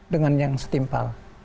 dengan yang setimpal